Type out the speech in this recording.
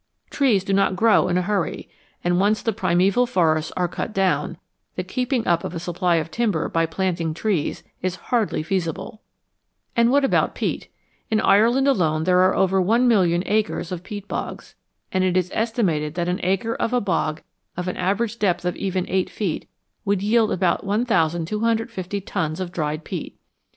Trees do not grow in a hurry, and once the primeval forests are cut down, the keeping up of a supply of timber by planted trees is hardly feasible. And what about peat ? In Ireland alone there are over 1,000,000 acres of peat bogs, and it is estimated that an acre of a bog of an average depth of even 8 feet would yield about 1250 tons of dried peat.